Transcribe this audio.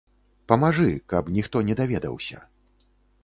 Памажы, каб ніхто не даведаўся.